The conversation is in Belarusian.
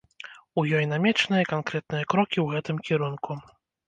У ёй намечаныя канкрэтныя крокі ў гэтым кірунку.